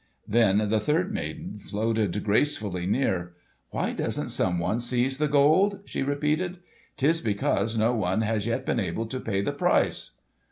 Then the third maiden floated gracefully near. "Why doesn't someone seize the Gold?" she repeated. "'Tis because no one has yet been able to pay the price."